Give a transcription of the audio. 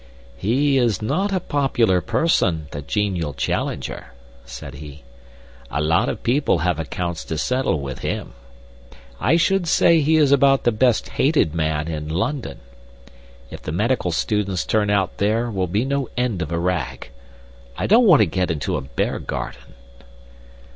"He is not a popular person, the genial Challenger," said he. "A lot of people have accounts to settle with him. I should say he is about the best hated man in London. If the medical students turn out there will be no end of a rag. I don't want to get into a bear garden."